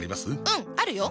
うんあるよ！